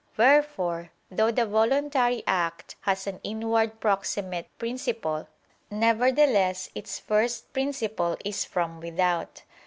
Wherefore though the voluntary act has an inward proximate principle, nevertheless its first principle is from without.